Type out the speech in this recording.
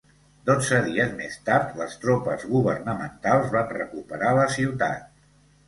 Dotze dies més tard les tropes governamentals van recuperar la ciutat.